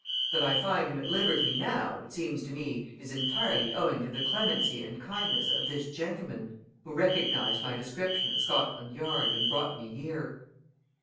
That I find him at liberty now, it seems to me, is entirely owing to the clemency and kindness of this gentleman, who recognized my description at Scotland Yard and brought me here."